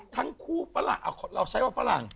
ทั้งคู่ฝรั่งเราใช้ว่าฝรั่ง